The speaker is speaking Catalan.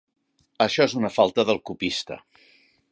Això és una falta del copista.